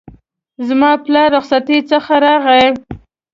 زما پلار له رخصتی څخه راغی